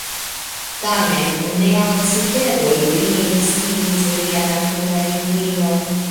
Tamen ne al ciferoj lin instigis lia natura inklino.